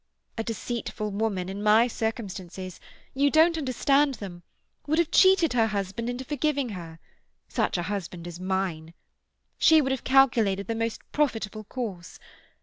A deceitful woman, in my circumstances—you don't understand them—would have cheated her husband into forgiving her—such a husband as mine. She would have calculated the most profitable course.